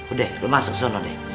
udeh lu masuk suno deh